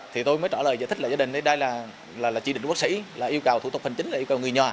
thì tôi mới trả lời giải thích là gia đình đây là chỉ định của bác sĩ là yêu cầu thủ tục hành chính là yêu cầu người nhà